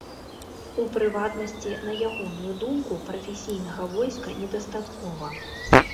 У прыватнасці, на ягоную думку, прафесійнага войска недастаткова.